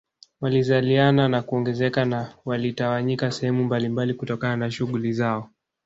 Walizaliana na kuongezeka na walitawanyika sehemu mbalimbali kutokana na shughuli zao